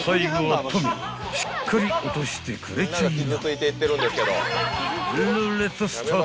［しっかり落としてくれちゃいな］